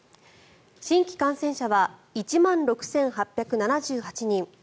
新規感染者は１万６８７８人。